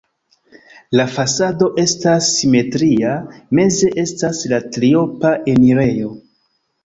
La fasado estas simetria, meze estas la triopa enirejo.